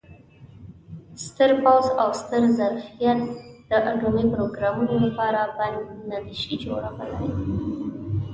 ستر پوځ او ستر ظرفیت د اټومي پروګرام لپاره بند نه شي جوړولای.